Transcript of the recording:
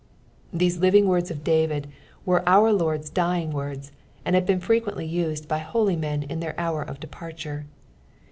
These living words of David were our Lord's dying words, and have been frequently used by holy men in their hour of departure.